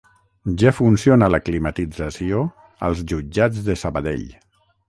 Ja funciona la climatització als Jutjats de Sabadell